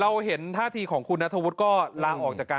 เราเห็นท่าทีของคุณนาตาวุธก็ลางออกจากการ